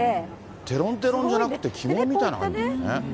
てろんてろんじゃなくて起毛みたいな感じなんですね。